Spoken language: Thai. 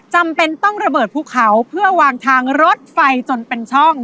จำเป็นต้องระเบิดภูเขาเพื่อวางทางรถไฟจนเป็นช่อง